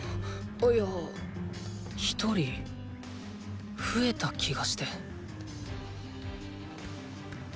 いや一人増えた気がして。